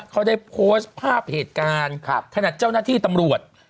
เขาได้โพสต์ภาพเหตุการณ์ขณะเจ้าหน้าที่ตำรวจ